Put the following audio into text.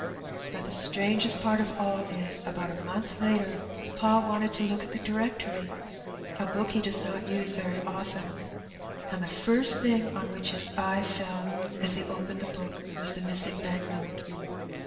But the strangest part of aU is, about a month later pa wanted to look at the Directory — a book he does not use very often — and the first thing on which his eye fell as he opened the book was the missing bank note.